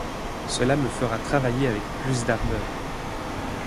Cela me fera travailler avec plus d'ardeur.